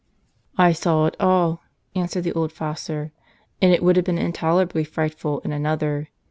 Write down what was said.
" I saw it all," answered the old fossor, " and it would have been intolerably frightful in another.